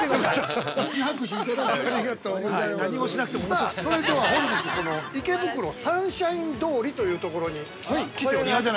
さあ、それでは本日この池袋サンシャイン通りというところに来ております。